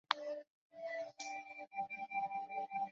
检察办案要及时跟上